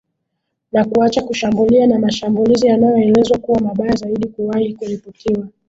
na kuacha kushambulia na mashambulizi yanaoelezwa kuwa mabaya zaidi kuwahi kuripotiwa